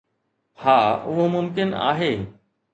ها اهو ممڪن آهي.